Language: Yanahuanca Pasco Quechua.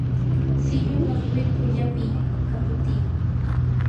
silluwan wirpu llapiy, kaputiy